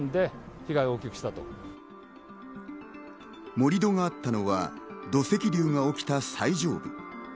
盛り土があったのは土石流が起きた最上部。